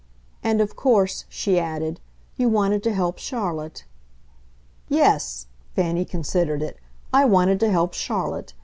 And of course," she added, "you wanted to help Charlotte." "Yes" Fanny considered it "I wanted to help Charlotte.